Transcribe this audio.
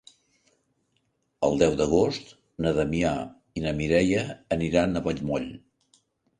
El deu d'agost na Damià i na Mireia aniran a Vallmoll.